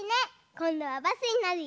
こんどはバスになるよ。